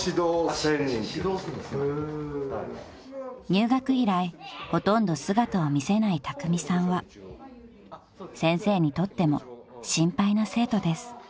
［入学以来ほとんど姿を見せないたくみさんは先生にとっても心配な生徒です］